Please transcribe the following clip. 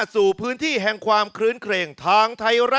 สวัสดีพ่อแม่พี่น้องทั่วฟ้าเมืองไทย